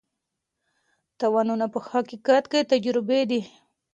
تاوانونه په حقیقت کې تجربې دي.